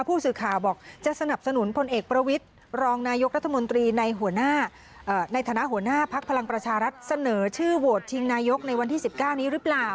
ผู้สื่อข่าวบอกจะสนับสนุนพลเอกประวิทย์รองนายกรัฐมนตรีในในฐานะหัวหน้าพักพลังประชารัฐเสนอชื่อโหวตชิงนายกในวันที่๑๙นี้หรือเปล่า